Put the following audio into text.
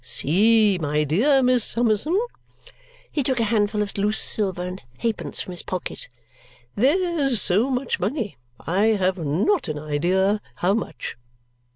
See, my dear Miss Summerson," he took a handful of loose silver and halfpence from his pocket, "there's so much money. I have not an idea how much.